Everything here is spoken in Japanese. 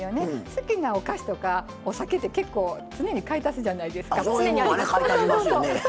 好きなお菓子とか、お酒って結構、常に買い足すじゃないですか。